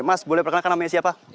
mas boleh perkenalkan namanya siapa